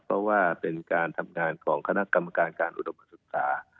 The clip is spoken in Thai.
เพราะว่าเป็นการทำงานของคณะกรรมการการอุดมศึกษา